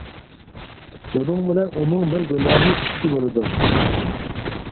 بۇنىڭ بىلەن ئۇنىڭ بىر گۇناھى ئىككى بولىدۇ.